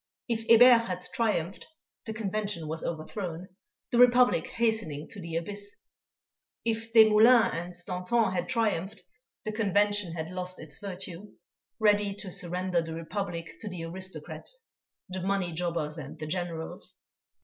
If Hébert had triumphed, the Convention was overthrown, the Republic hastening to the abyss; if Desmoulins and Danton had triumphed, the Convention had lost its virtue, ready to surrender the Republic to the aristocrats, the money jobbers and the Generals.